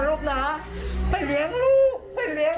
โอ้โฮลูกแม่โอ้โฮ